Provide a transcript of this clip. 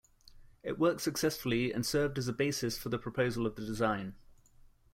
It worked successfully and served as a basis for the proposal of the design.